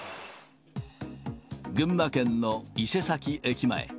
群馬県の伊勢崎駅前。